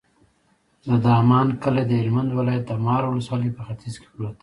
د دامن کلی د هلمند ولایت، د مار ولسوالي په ختیځ کې پروت دی.